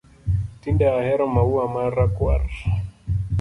Tinde ahero maua ma rakwar